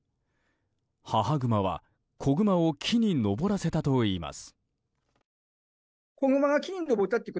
母グマは子グマを木に上らせたといいます。